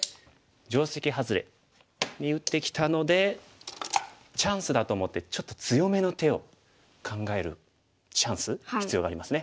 定石ハズレに打ってきたのでチャンスだと思ってちょっと強めの手を考えるチャンス必要がありますね。